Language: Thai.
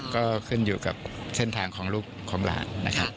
ก็ขึ้นอยู่กับเส้นทางของลูกของหลานนะครับ